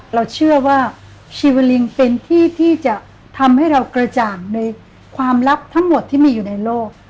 เราเชื่อว่าชีวลิงเป็นที่ที่จะทำให้เรากระจ่างในความลับทั้งหมดที่มีอยู่ในโลก